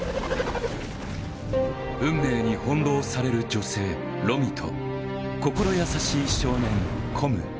運命に翻弄される女性ロミと心優しい少年コム。